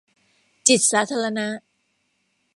จิตสาธารณะ